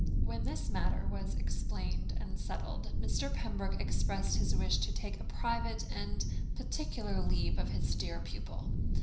When this matter was explained and settled, Mr. Pembroke expressed his wish to take a private and particular leave of his dear pupil.